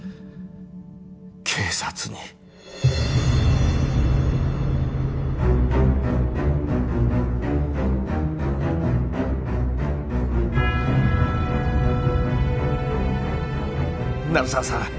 警察に鳴沢さん